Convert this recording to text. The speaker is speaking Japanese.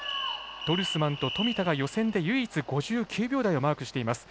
ドルスマンと富田が予選で唯一５９秒台をマークしています。